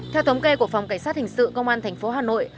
theo thống kê của phòng cảnh sát hình sự công an thành phố hà nội